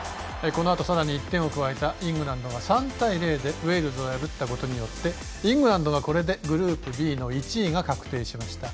このあと、さらに１点を加えたイングランドが３対０でウェールズを破ったことによってイングランドがグループＢの１位が確定しました。